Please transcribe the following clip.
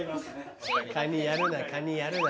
カニやるなカニやるな。